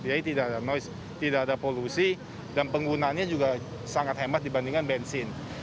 jadi tidak ada noise tidak ada polusi dan penggunanya juga sangat hemat dibandingkan bensin